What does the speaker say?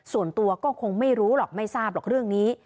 ส่วนตัวก็คงไม่รู้หรอกไม่ทราบหรอกเรื่องนี้